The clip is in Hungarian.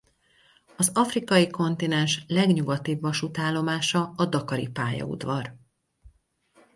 Az afrikai kontinens legnyugatibb vasútállomása a dakari pályaudvar.